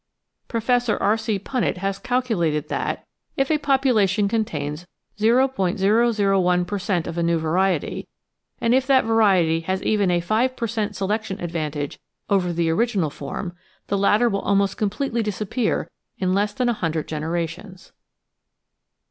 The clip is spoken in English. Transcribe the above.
Professor R. C. Punnett has calculated that, ''If a population contains .001 per cent, of a new variety, and if that variety has even a 5 per cent, selection advantage over the original form, the latter will almost completely disappear in less than a hundred generations."